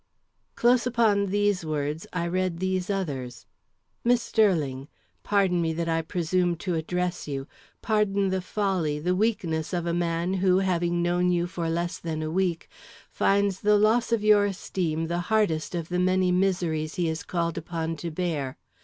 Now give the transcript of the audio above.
Close upon these words I read these others: MISS STERLING: Pardon me that I presume to address you. Pardon the folly, the weakness of a man who, having known you for less than a week, finds the loss of your esteem the hardest of the many miseries he is called upon to bear.